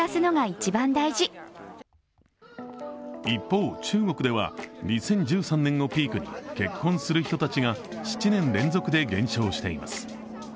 一方、中国では２０１３年をピークに結婚する人たちが７年連続で減少しています。